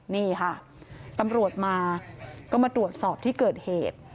นี่ค่ะตำรวจมาก็มาตรวจสอบที่เกิดเหตุ